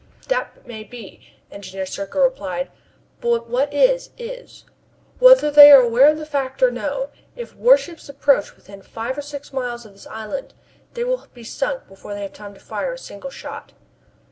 "That may be," Engineer Serko replied, "but what is, is. Whether they are aware of the fact or no, if warships approach within five or six miles of this island they will be sunk before they have had time to fire a single shot!"